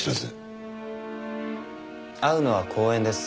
会うのは公園です。